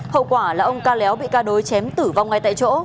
hậu quả là ông ca léo bị ca đối chém tử vong ngay tại chỗ